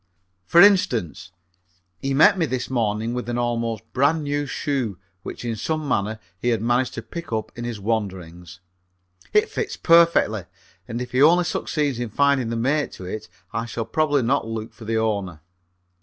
For instance, he met me this morning with an almost brand new shoe which in some manner he had managed to pick up in his wanderings. It fits perfectly, and if he only succeeds in finding the mate to it I shall probably not look for the owner.